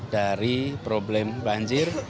dari problem banjir